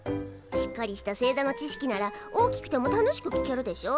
しっかりした星座の知識なら大きくても楽しく聞けるでしょ。